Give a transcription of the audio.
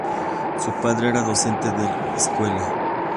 Su padre era docente de escuela.